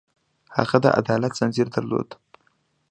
هغه د عدالت ځنځیر درلود.